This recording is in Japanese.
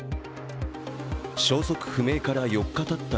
消息不明から４日たった